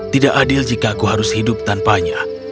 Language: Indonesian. tidak adil jika aku harus hidup tanpanya